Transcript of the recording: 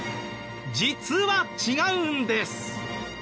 実は違うんです！